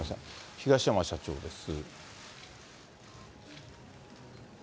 東山社長です。